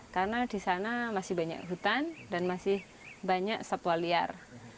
karena di sana masih banyak hutan dan masih banyak satwa liar